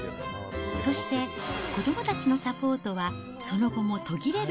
そして、子どもたちのサポートはその後も途切れる